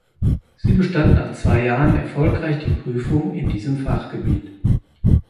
Sie bestand nach zwei Jahren erfolgreich die Prüfung in diesem Fachgebiet.